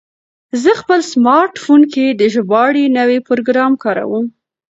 زه په خپل سمارټ فون کې د ژباړې نوی پروګرام کاروم.